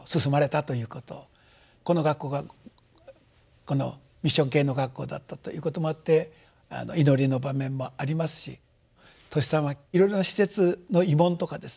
この学校がミッション系の学校だったということもあって祈りの場面もありますしトシさんはいろいろな施設の慰問とかですね